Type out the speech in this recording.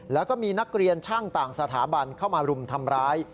แล้วก็มีนักเรียนช่างต่างสถาบันเข้ามารุมทำร้าย